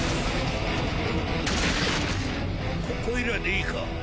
ここいらでいいか。